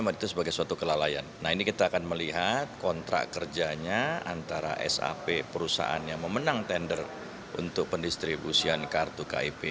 berita terkini mengenai kontrak kerjaan sip yang memenang tender untuk pendistribusian kartu kip